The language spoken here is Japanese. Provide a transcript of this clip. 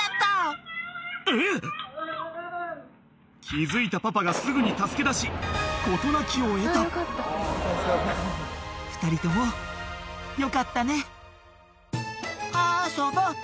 気付いたパパがすぐに助け出し事なきを得た２人ともよかったね「あそぼ」